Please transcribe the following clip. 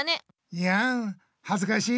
いやんはずかしい。